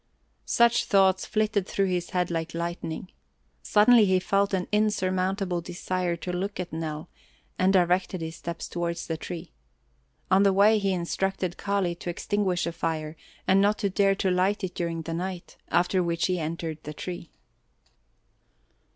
Such thoughts flitted through his head like lightning. Suddenly he felt an insurmountable desire to look at Nell, and directed his steps towards the tree. On the way he instructed Kali to extinguish the fire and not to dare to light it during the night, after which he entered the tree.